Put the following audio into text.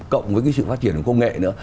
cộng với cái sự phát triển của công nghệ nữa